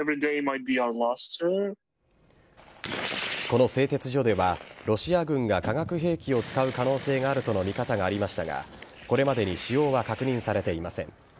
この製鉄所ではロシア軍が化学兵器を使う可能性があるとの見方がありましたがこれまでに使用は確認されていません。